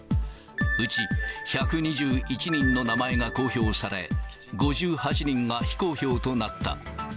うち１２１人の名前が公表され、５８人が非公表となった。